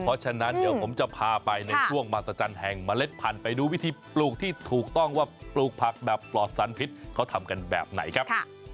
เพราะฉะนั้นเดี๋ยวผมจะพาไปในช่วงมหัศจรรย์แห่งเมล็ดพันธุ์ไปดูวิธีปลูกที่ถูกต้องว่าปลูกผักแบบปลอดสารพิษเขาทำกันแบบไหนครับ